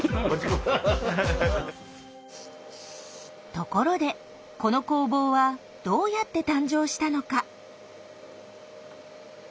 ところでこの工房はどうやって誕生したのか？